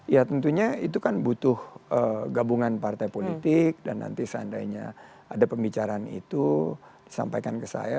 ya tentunya itu kan butuh gabungan partai politik dan nanti seandainya ada pembicaraan itu disampaikan ke saya